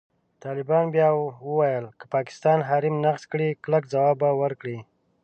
طالبان بیا وویل، که پاکستان حریم نقض کړي، کلک ځواب به ورکړي.